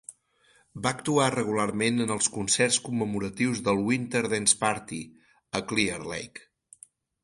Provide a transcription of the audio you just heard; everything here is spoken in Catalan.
Va actuar regularment en els concerts commemoratius del Winter Dance Party a Clear Lake.